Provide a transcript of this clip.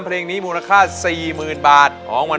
เวลามูลค่า๔๐๐๐๐บาท